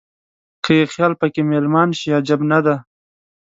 که یې خیال په کې مېلمان شي عجب نه دی.